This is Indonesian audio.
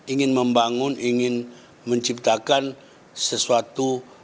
ingin membangun ingin menciptakan sesuatu